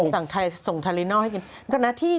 ส่างไทยส่งทะเลน่อให้กิน